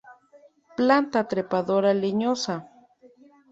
Planta trepadora leñosa.